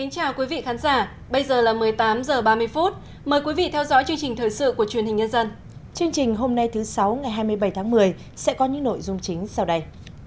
chương trình hôm nay thứ sáu ngày hai mươi bảy tháng một mươi sẽ có những nội dung chính sau đây